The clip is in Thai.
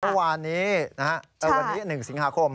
เมื่อวานนี้๑สิงหาคม